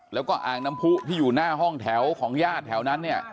แล้วก็อ่างน้ำผู้ที่อยู่หน้าห้องแถวของญาติแถวนั้นเนี่ย